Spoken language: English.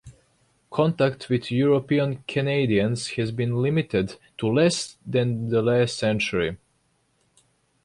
Contact with European Canadians has been limited to less than the last century.